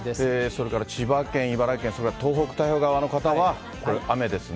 それから千葉県、茨城県、それから東北太平洋側の方は、これ、雨ですね。